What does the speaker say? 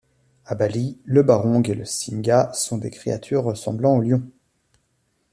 À Bali, le barong et le singa sont des créatures ressemblant au lion.